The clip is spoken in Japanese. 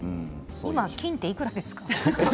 今、金っていくらですか。